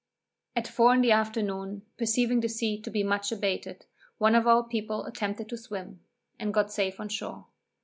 At four in the afternoon, perceiving the sea to be much abated, one of our people attempted to swim, and got safe on shore.